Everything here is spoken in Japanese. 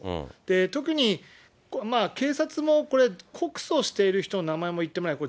特に、警察もこれ、告訴している人の名前も言ってもらえない。